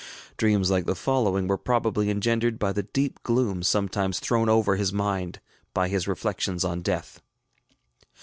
Dreams like the following were probably engendered by the deep gloom sometimes thrown over his mind by his reflections on death.